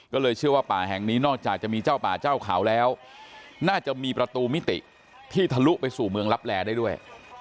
ก็เลยเชื่อว่าป่าแห่งนี้นอกจากจะมีเจ้าป่าเจ้าเขาแล้วน่าจะมีประตูมิติที่ทะลุไปสู่เมืองลับแลได้ด้วย